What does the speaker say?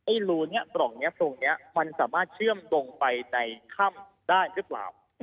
ไอ้หลูเนี่ยปล่องเนี่ยตรงเนี่ยมันสามารถเชื่อมลงไปในค่ำได้หรือเปล่า